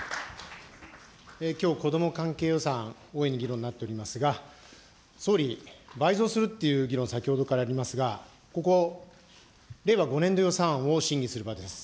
きょう、子ども関係予算、大いに議論になっておりますが、総理、倍増するっていう議論、先ほどからありますが、ここ、令和５年度予算案を審議する場です。